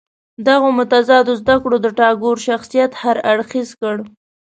دغو متضادو زده کړو د ټاګور شخصیت هر اړخیز کړ.